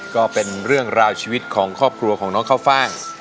ก็เป็นเรื่องราวชีวิตของครอบครัวของน้องข้าวฟ่าง